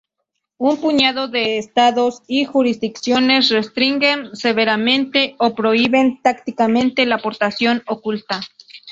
Un puñado de estados y jurisdicciones restringen severamente o prohíben tácitamente la portación oculta.